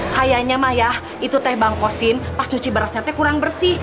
kayaknya mah ya itu teh bang kosim pas nuci berasnya teh kurang bersih